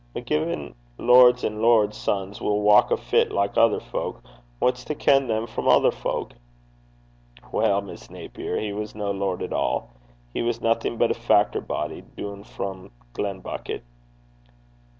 But gin lords an' lords' sons will walk afit like ither fowk, wha's to ken them frae ither fowk?' 'Well, Miss Naper, he was no lord at all. He was nothing but a factor body doon frae Glenbucket.'